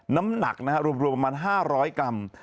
น้ำหนักนะฮะรวมประมาณ๕๐๐กรัม